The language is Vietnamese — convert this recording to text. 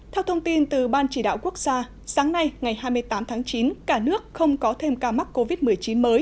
theo thông tin từ ban chỉ đạo quốc gia sáng nay ngày hai mươi tám tháng chín cả nước không có thêm ca mắc covid một mươi chín mới